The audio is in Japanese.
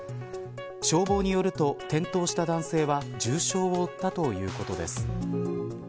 消防によると、転倒した男性は重傷を負ったということです。